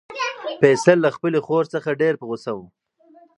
فیصل له خپلې خور څخه ډېر په غوسه و.